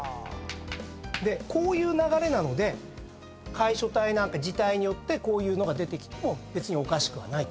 こういう流れなので楷書体なんか字体によってこういうのが出てきても別におかしくはないと。